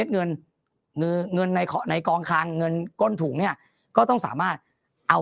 เงินเงินในในกองคลังเงินก้นถุงเนี่ยก็ต้องสามารถเอา